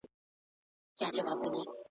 د طوطي له خولې خبري نه وتلې!